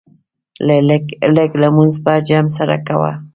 لږ لمونځ په جمع سره کوه.